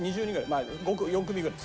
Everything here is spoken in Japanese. まあ４組ぐらい。